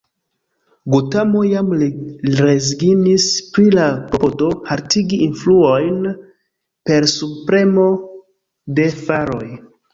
Gotamo jam rezignis pri la klopodo haltigi influojn per subpremo de faroj.